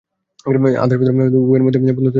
আদানপ্রদানে উভয়েই উভয়ের বন্ধুস্থানীয় হয়ে দাঁড়াবে।